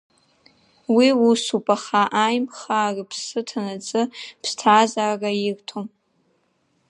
Уи усоуп, аха Аимхаа рыԥсы ҭанаҵы ԥсҭазаара ирҭом.